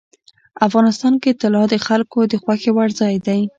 افغانستان کې طلا د خلکو د خوښې وړ ځای دی.